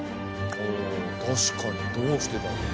おお確かにどうしてだろう。